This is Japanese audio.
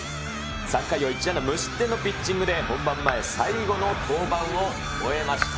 ３回を１安打無失点のピッチングで、本番前、最後の登板を終えました。